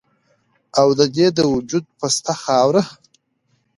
او د دې د وجود پسته خاوره